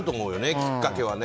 きっかけはね。